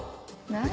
何。